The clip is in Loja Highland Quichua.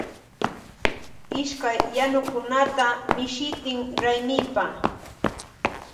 Ishkay yanukunata mishitin raymipa.